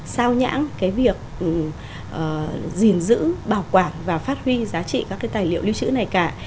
sao nhãn cái việc gìn giữ bảo quản và phát huy giá trị các cái tài liệu lưu trữ này cả